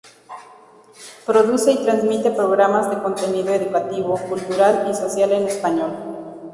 Produce y transmite programas de contenido educativo, cultural y social en español.